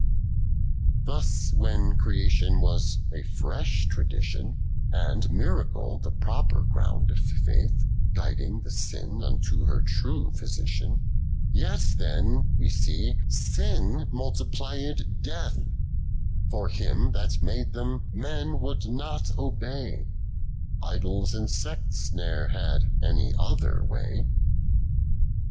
83. Thus when creation was a fresh tradition, And miracle the proper ground of faith, (luiding tlie sin unto her true physitian, Yet then — we see — sin multiplyed death : For Him that made them, men would not obey ; Idols, and Beets n(?'r had any other way, 84.